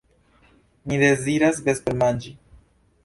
Ni deziras vespermanĝi.